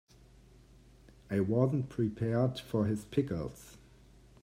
I wasn't prepared for his pickles.